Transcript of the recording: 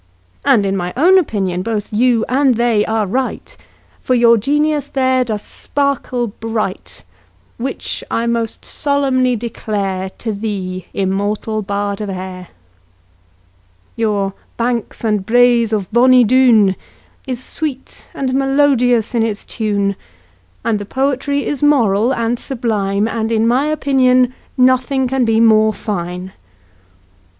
And in my own opinion both you and they are right, For your genius there does sparkle bright, Which I most solemnly declare To thee, Immortal Bard of Ayr! Your "Banks and Braes of Bonnie Doon" Is sweet and melodious in its tune, And the poetry is moral and sublime, And in my opinion nothing can be more fine.